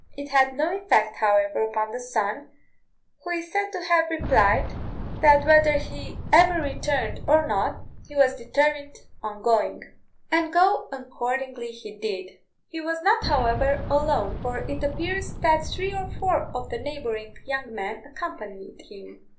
It had no effect, however, upon the son, who is said to have replied, that whether he ever returned or not, he was determined on going; and go accordingly he did. He was not, however, alone, for it appears that three or four of the neighbouring young men accompanied him.